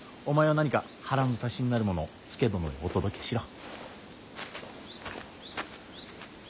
お前は何か腹の足しになるものを佐殿へお届けしろ。